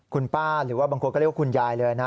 คุณป้าหรือว่าบางคนก็เรียกว่าคุณยายเลยนะ